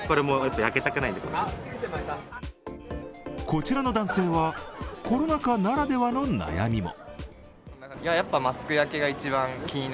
こちらの男性は、コロナ禍ならではの悩みも。